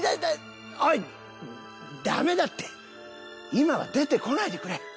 今は出て来ないでくれ！